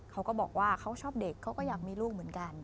เขาก็บอกว่าเขาชอบเด็กเขาก็อยากมีลูกเหมือนกัน